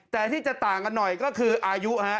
แต่ที่จะต่างกันหน่อยก็คืออายุฮะ